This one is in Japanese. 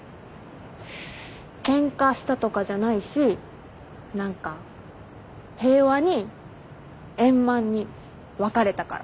ケンカしたとかじゃないし何か平和に円満に別れたから。